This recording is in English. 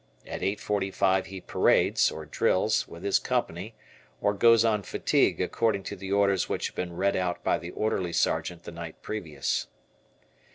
At 8.45 he parades (drills) with his company or goes on fatigue according to the orders which have been read out by the Orderly Sergeant the night previous.